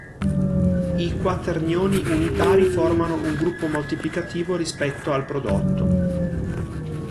I quaternioni unitari formano un gruppo moltiplicativo rispetto al prodotto.